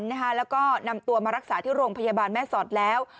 แล้วก็นำตัวมารักษาที่โรงพยาบาลแม่สอดแล้ว